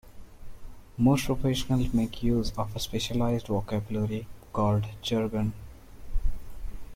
Most professionals make use of a specialised vocabulary called jargon.